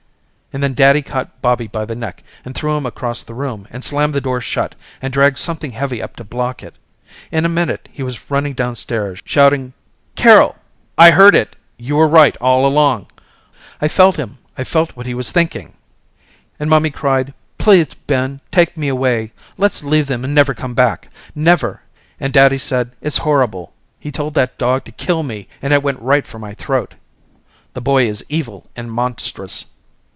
And then daddy caught Bobby by the neck and threw him across the room and slammed the door shut and dragged something heavy up to block it. In a minute he was running downstairs shouting Carol, I heard it! you were right all along I felt him, I felt what he was thinking! And mommy cried please, Ben, take me away, let's leave them and never come back, never, and daddy said it's horrible, he told that dog to kill me and it went right for my throat, the boy is evil and monstrous.